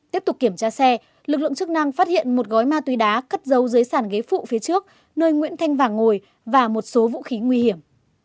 tiếp tục kiểm tra xe lực lượng chức năng phát hiện một gói ma túy đá cất dấu dưới sàn ghế phụ phía trước nơi nguyễn thanh vàng ngồi và một số vũ khí nguy hiểm